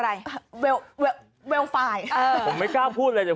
แถมมีสรุปอีกต่างหาก